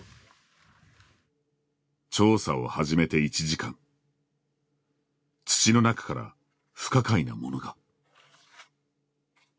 調査を始めて１時間土の中から不可解なものが。